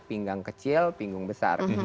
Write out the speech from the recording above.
pinggang kecil pinggung besar